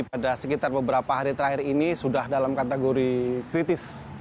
pada sekitar beberapa hari terakhir ini sudah dalam kategori kritis